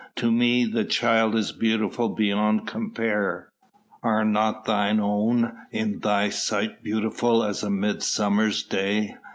To me the child is beautiful beyond compare. Are not thine own in thy sight beautiful as a midsummer's day?"